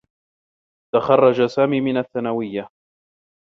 تخرّج سامي من الثّانويّة.